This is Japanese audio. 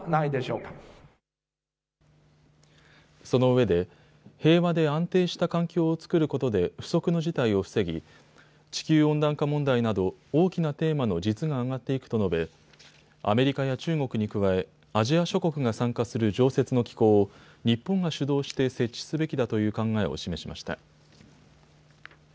そのうえで平和で安定した環境を作ることで不測の事態を防ぎ地球温暖化問題など大きなテーマの実が上がっていくと述べアメリカや中国に加えアジア諸国が参加する常設の機構を日本が主導して設置すべきだという考えを示しました。